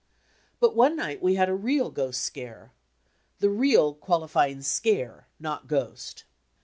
But, one night we had a real ghost scare the "real" qualifying "scare," not "ghost."